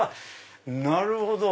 なるほど！